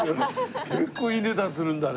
結構いい値段するんだね。